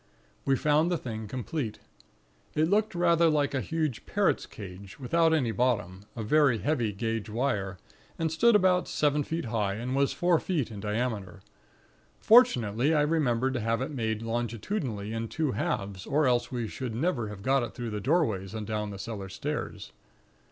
We found the thing complete. It looked rather like a huge parrot's cage, without any bottom, of very heavy gage wire, and stood about seven feet high and was four feet in diameter. Fortunately, I remembered to have it made longitudinally in two halves, or else we should never have got it through the doorways and down the cellar stairs.